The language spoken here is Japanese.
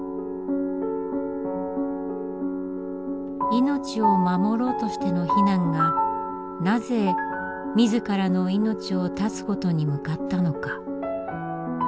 命を守ろうとしての避難がなぜみずからの命を絶つことに向かったのか。